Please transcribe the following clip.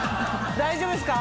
大丈夫ですか？